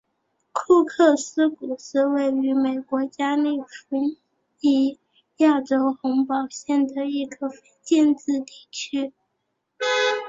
库克斯谷是位于美国加利福尼亚州洪堡县的一个非建制地区。